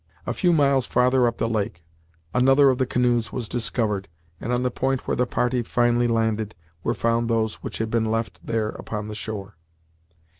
A few miles farther up the lake, another of the canoes was discovered, and on the point where the party finally landed, were found those which had been left there upon the shore.